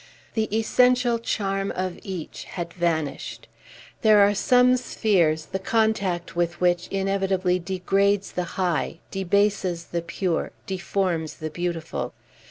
The essential charm of each had vanished. There are some spheres the contact with which inevitably degrades the high, debases the pure, deforms the beautiful.